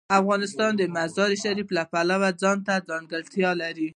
افغانستان د مزارشریف د پلوه ځانته ځانګړتیا لري.